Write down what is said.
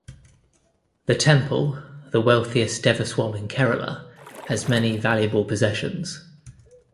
The temple, the wealthiest Devaswom in Kerala, has many valuable possessions.